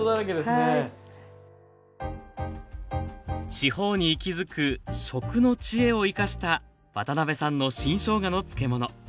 地方に息づく「食の知恵」を生かした渡辺さんの新しょうがの漬物。